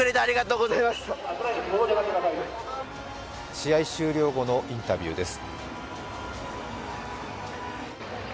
試合終了後のインタビューです。